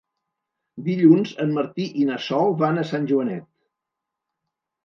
Dilluns en Martí i na Sol van a Sant Joanet.